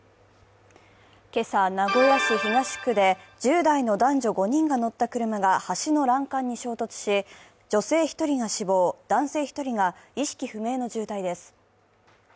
今朝、名古屋市東区で１０代の男女５人が乗った車が橋の欄干に衝突し、女性１人が死亡、男性１人が意識不明の重体です。